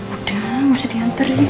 udah harus diantar ya